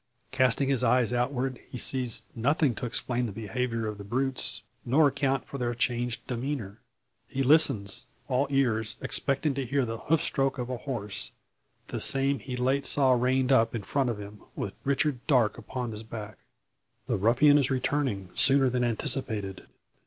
Casting his eyes outward, he sees nothing to explain the behaviour of the brutes, nor account for their changed demeanour. He listens, all ears, expecting to hear the hoof stroke of a horse the same he late saw reined up in front of him, with Richard Darke upon his back. The ruffian is returning sooner than anticipated.